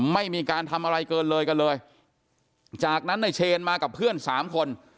ไม่มีการทำอะไรเกินเลยกันเลยจากนั้นในเชนมากับเพื่อนสามคน